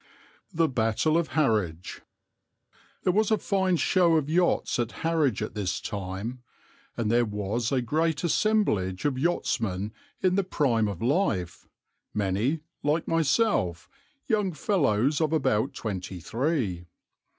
"THE BATTLE OF HARWICH. "There was a fine show of yachts at Harwich at this time, and there was a great assemblage of yachtsmen in the prime of life, many, like myself, young fellows of about twenty three.